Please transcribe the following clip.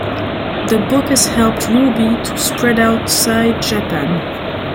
The book has helped Ruby to spread outside Japan.